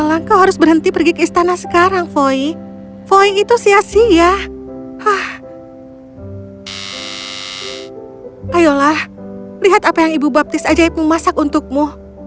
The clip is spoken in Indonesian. ayolah lihat apa yang ibu baptis ajaib memasak untukmu